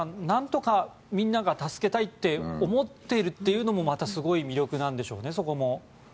なんとかみんなが助けたいって思っているっていうのもまたすごい魅力なんでしょうね。